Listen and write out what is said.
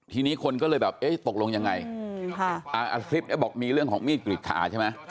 ทีนี้คนก็เลยแบบเอ๊ะตกลงยังไงคลิปนี้บอกมีเรื่องของมีดกรีดขาใช่ไหม